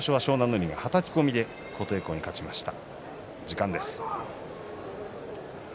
海がはたき込みで琴恵光に勝ちました。